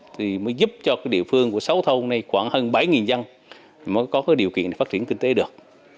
thì mới giúp cho địa phương của sáu thôn này khoảng hơn bảy dân mới có điều kiện phát triển kinh tế được